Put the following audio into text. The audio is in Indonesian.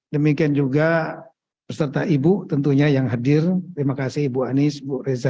demikian juga peserta ibu tentunya yang hadir terima kasih ibu anies ibu reza